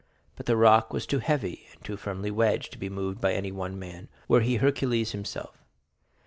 But the rock was too heavy, and too firmly wedged, to be moved by anyone man, were he Hercules himself.